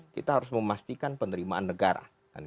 kita harus memastikan penerimaan negara